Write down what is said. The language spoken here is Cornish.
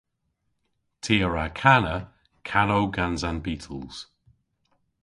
Ty a wra kana kanow gans an Beatles.